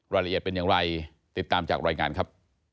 รายละเอียดเป็นอย่างไรติดตามจากรายงานครับ